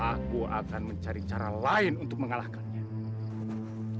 aku akan mencari cara lain untuk mengalahkannya